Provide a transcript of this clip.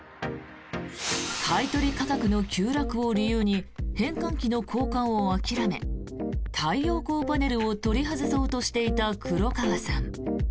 買い取り価格の急落を理由に変換器の交換を諦め太陽光パネルを取り外そうとしていた黒川さん。